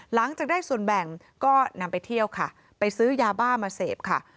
หลังจากได้ส่วนแบ่งก็นำไปเที่ยวค่ะไปซื้อยาบ้ามาเสพค่ะ